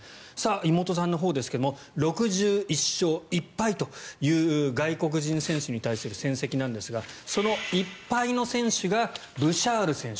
妹さんのほうですが６１勝１敗という外国人選手に対する戦績なんですがその１敗の選手がブシャール選手。